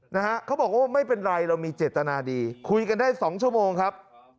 นะฮะเขาบอกว่าไม่เป็นไรเรามีเจตนาดีคุยกันได้สองชั่วโมงครับ